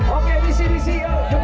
oke disini sini yuk